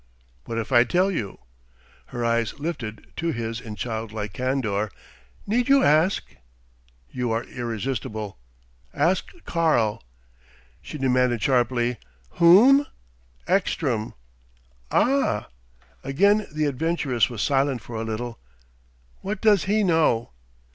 "What if I tell you?" Her eyes lifted to his in childlike candour. "Need you ask?" "You are irresistible.... Ask Karl." She demanded sharply: "Whom?" "Ekstrom." "Ah!" Again the adventuress was silent for a little. "What does he know?"